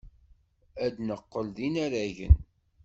Ad neqqel d inaragen.